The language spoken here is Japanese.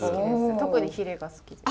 特にヒレが好きです。